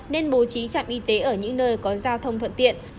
nên bố trí trạm y tế ở những nơi có giao thông thuận tiện